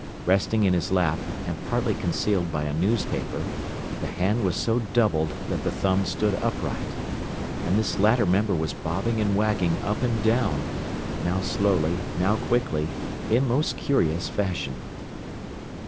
Resting in his lap, and partly concealed by a newspaper, the hand was so doubled that the thumb stood upright. And this latter member was bobbing and wagging up and down, now slowly, now quickly, in most curious fashion.